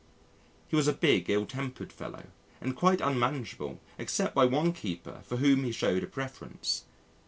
He was a big, ill tempered fellow, and quite unmanageable except by one keeper for whom he showed a preference.